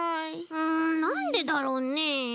うんなんでだろうね。